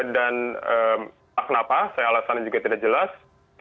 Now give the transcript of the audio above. dan kenapa saya alasan juga tidak jelas